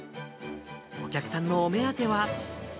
お客さんのお目当ては。